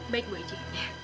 baik bu aji